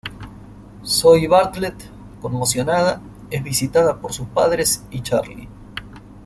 Zoey Bartlet, conmocionada, es visitada por sus padres y Charlie.